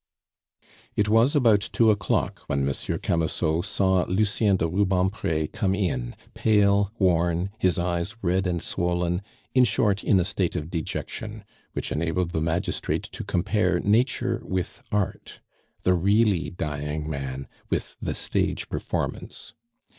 It was about two o'clock when Monsieur Camusot saw Lucien de Rubempre come in, pale, worn, his eyes red and swollen, in short, in a state of dejection which enabled the magistrate to compare nature with art, the really dying man with the stage performance.